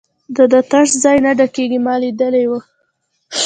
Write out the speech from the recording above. د ده تش ځای نه ډکېږي، ما لیدلی وو.